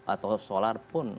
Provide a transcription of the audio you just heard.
atau solar pun